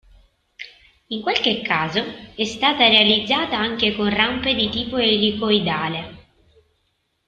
In qualche caso è stata realizzata anche con rampe di tipo elicoidale.